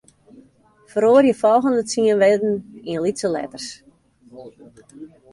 Feroarje folgjende tsien wurden yn lytse letters.